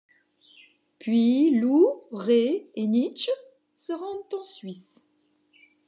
Puis Lou, Rée et Nietzsche se rendent en Suisse.